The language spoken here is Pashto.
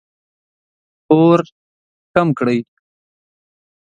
اور کم کړئ